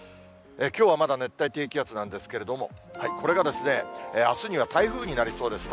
きょうはまだ熱帯低気圧なんですけれども、これがあすには台風になりそうです。